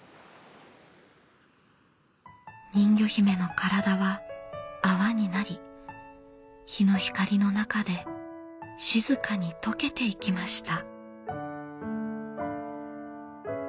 人魚姫の体は泡になり日の光の中で静かに溶けていきました。